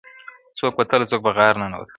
څوک وتله څوک په غار ننوتله.